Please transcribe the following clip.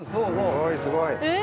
すごいすごい。え！